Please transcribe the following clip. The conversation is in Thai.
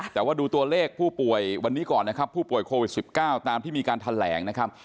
แต่ว่าดูตัวเลขผู้ป่วยวันนี้ก่อนนะครับผู้ป่วยโควิด๑๙ตามที่มีการแถลงนะครับ